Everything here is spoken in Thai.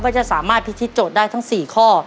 จะสามารถพิธีโจทย์ได้ทั้ง๔ข้อ